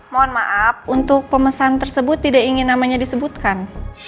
mohon maaf untuk pemesan tersebut tidak ingin namanya disebutkan